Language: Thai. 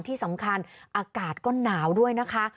ที่สำคัญอากาศก็หนาวด้วยนะคะ